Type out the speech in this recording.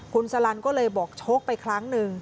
คุณสรรันดิ์ก็เลยบอกโชคไปครั้งหนึ่ง